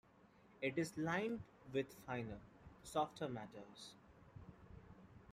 It is lined with finer, softer matter.